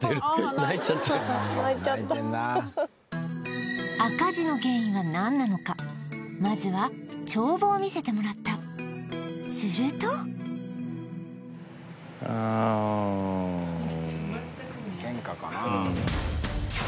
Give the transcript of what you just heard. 泣いてんな赤字の原因は何なのかまずは帳簿を見せてもらったすると全く見えない